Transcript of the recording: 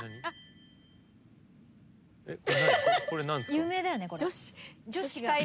有名だよねこれ。